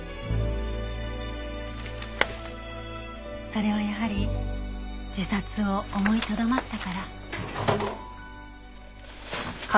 それはやはり自殺を思いとどまったから。